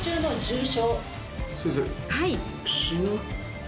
先生。